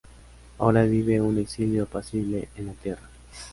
Ahora vive un exilio apacible en la Tierra.